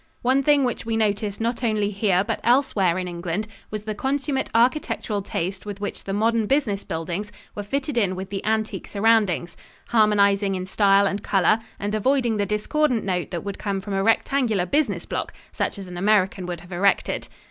One thing which we noticed not only here but elsewhere in England was the consummate architectural taste with which the modern business buildings were fitted in with the antique surroundings, harmonizing in style and color, and avoiding the discordant note that would come from a rectangular business block such as an American would have erected.